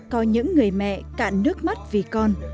có những người mẹ cạn nước mắt vì con